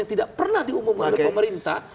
tidak pernah diumumkan oleh pemerintah